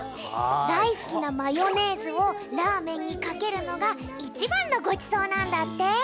大好きなマヨネーズをラーメンにかけるのがいちばんのごちそうなんだって。